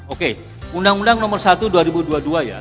oke undang undang nomor satu dua ribu dua puluh dua ya